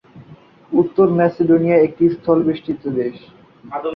উত্তর ম্যাসেডোনিয়া একটি স্থলবেষ্টিত দেশ।